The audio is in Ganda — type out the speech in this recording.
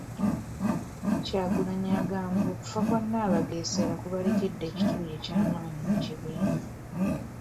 Kyagulanyi agamba okufa kwa Nabagesera kubalekedde ekituli ekyamaanyi mu kibiina.